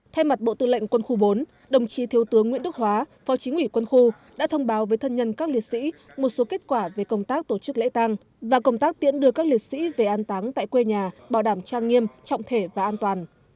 thay mặt bộ tư lệnh quân khu bốn đồng chí thiếu tướng nguyễn đức hóa phó chính ủy quân khu đã thông báo với thân nhân các liệt sĩ một số kết quả về công tác tổ chức lễ tăng và công tác tiễn đưa các liệt sĩ về an táng tại quê nhà bảo đảm trang nghiêm trọng thể và an toàn